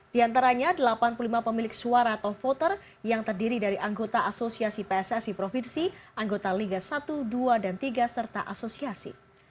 di antaranya delapan puluh lima pemilik suara atau voter yang terdiri dari anggota asosiasi pssi provinsi anggota liga satu dua dan tiga serta asosiasi